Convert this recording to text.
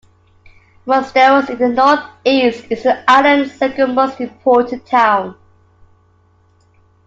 Mosteiros in the north-east is the island's second most important town.